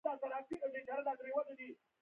پوهان او متخصصین بهر ته ځي.